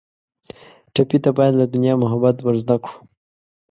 ټپي ته باید له دنیا محبت ور زده کړو.